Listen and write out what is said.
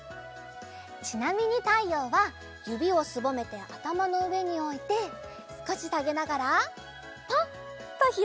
ちなみに「たいよう」はゆびをすぼめてあたまのうえにおいてすこしさげながらパッとひらくよ。